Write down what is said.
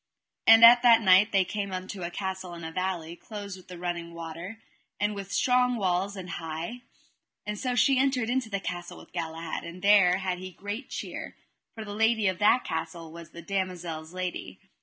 And at the night they came unto a castle in a valley, closed with a running water, and with strong walls and high; and so she entered into the castle with Galahad, and there had he great cheer, for the lady of that castle was the damosel's lady.